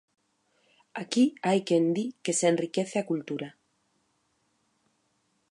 Aquí hai quen di que se enriquece a cultura.